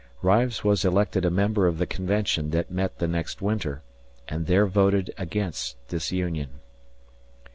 Rives was elected a member of the Convention that met the next winter, and there voted against disunion.